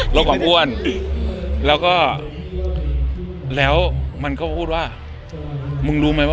หลังบันดาลใจปุ่นดีหรือภูมิป๊อล